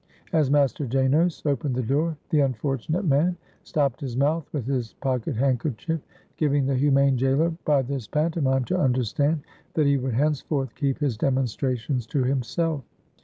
As Master Janos opened the door, the unfortunate 365 AUSTRIA HUNGARY man stopped his mouth with his pocket handkerchief, giving the humane jailer by this pantomime to under stand that he would henceforth keep his demonstrations to himself.